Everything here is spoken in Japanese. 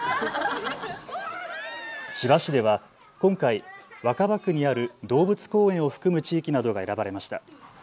千葉市では今回、若葉区にある動物公園を含む地域などが選ばれました。